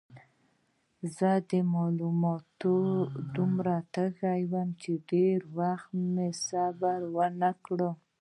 زه د معلوماتو دومره تږی وم چې ډېر وخت مې صبر ونه کړ.